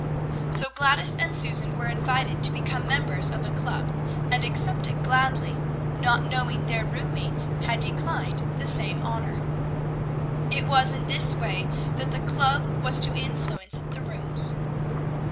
So Gladys and Susan were invited to become members of the club, and accepted gladly, not knowing their room mates had declined the same honor. It was in this way that the club was to influence the rooms.